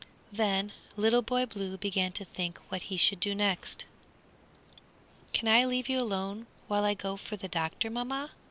Then Little Boy Blue began to think what he should do next. "Can I leave you alone while I go for the doctor, mamma?"